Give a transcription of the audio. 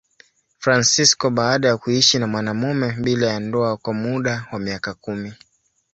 Fransisko baada ya kuishi na mwanamume bila ya ndoa kwa muda wa miaka kumi.